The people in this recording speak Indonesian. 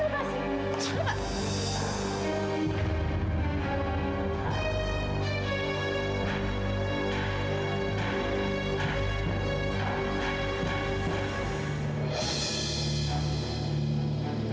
apaan sih lu pasti